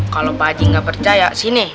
kalau pak ji gak percaya sini